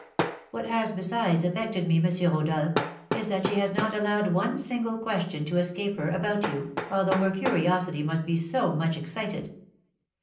"What has besides affected me, M. Rodolph, is that she has not allowed one single question to escape her about you, although her curiosity must be so much excited.